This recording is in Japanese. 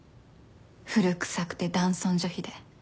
古くさくて男尊女卑で。